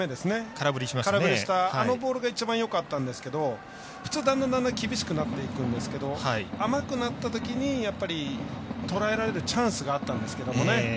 空振りをしたあのボールが一番よかったんですけど普通、だんだん厳しくなっていくんですが甘くなったときにやっぱりとらえられるチャンスがあったんですけどね